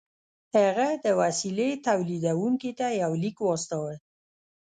هغه د وسيلې توليدوونکي ته يو ليک واستاوه.